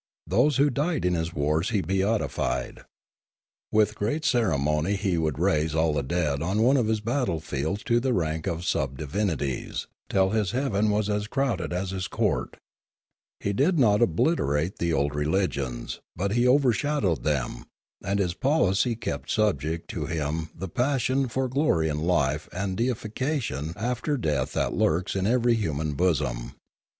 Those who died in his wars he beatified. With great ceremony he would raise all the dead on one of his battle fields to the rank of sub divinities, till his heaven was as crowded as his court. He did not obliterate the old religions; but he overshadowed them, and his policy kept subject to him the passion for glory in life and deification after death that lurks in every human bosom.